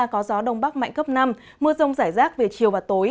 có gió đông bắc mạnh cấp năm mưa rông rải rác về chiều và tối